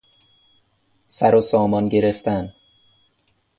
سروسامان گرفتن